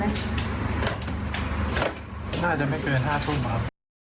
น่าจะไม่เกิน๕ทุ่มครับ